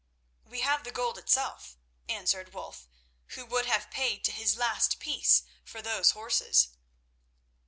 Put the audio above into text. "We have the gold itself," answered Wulf, who would have paid to his last piece for those horses.